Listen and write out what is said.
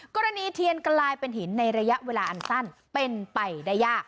เทียนกลายเป็นหินในระยะเวลาอันสั้นเป็นไปได้ยาก